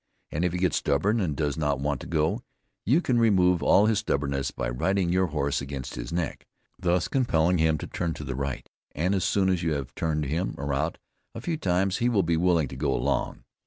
And if he gets stubborn and does not want to go, you can remove all his stubbornness by riding your horse against his neck, thus compelling him to turn to the right, and as soon as you have turned him about a few times, he will be willing to go along.